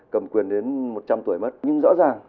cầm quyền đến một trăm linh tuổi mất nhưng rõ ràng